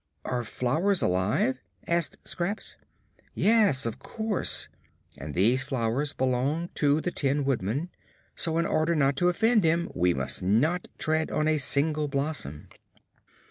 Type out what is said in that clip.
"Are flowers alive?" asked Scraps. "Yes, of course. And these flowers belong to the Tin Woodman. So, in order not to offend him, we must not tread on a single blossom."